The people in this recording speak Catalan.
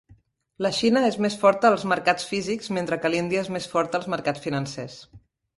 La Xina és més forta als mercats físics mentre que l'Índia és més forta als mercats financers.